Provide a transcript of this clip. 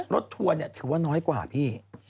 รถทัวร์เนี่ยถือว่าน้อยกว่าพี่